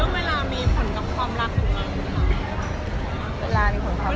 อย่างเรื่องเวลามีผลกับความรักของเรา